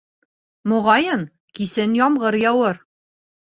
Моғайын, кисен ямғыр яуыр.